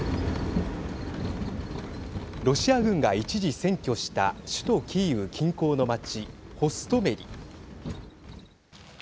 ロシア軍が一時占拠した首都キーウ近郊の町ホストメリ。